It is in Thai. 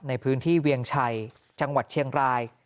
ในพื้นที่เวียงชัยจังหวัดเชียงราย